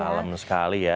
dalem sekali ya